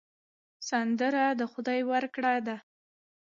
سندره د خدای ورکړه ده